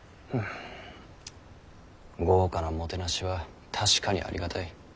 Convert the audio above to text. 豪華なもてなしは確かにありがたい。